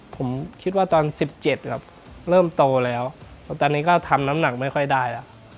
ผมคิดว่าตอน๑๗ครับเริ่มโตแล้วตอนนี้ก็ทำน้ำหนักไม่ค่อยได้แล้ว